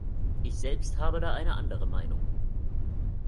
Ich selbst habe da eine andere Meinung.